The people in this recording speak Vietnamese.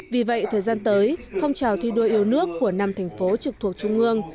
vì vậy thời gian tới phong trào thi đua yêu nước của năm thành phố trực thuộc trung ương